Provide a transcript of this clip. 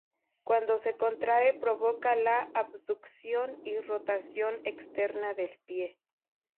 Cuando se contrae, provoca la abducción y rotación externa del pie.